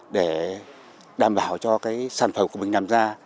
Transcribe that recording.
để đảm bảo cho cái sản phẩm của mình làm ra